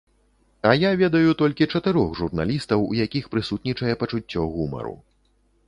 А я ведаю толькі чатырох журналістаў, у якіх прысутнічае пачуццё гумару.